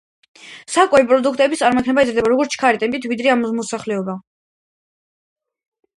საკვები პროდუქტების წარმოება იზრდებოდა უფრო ჩქარი ტემპებით, ვიდრე მოსახლეობა.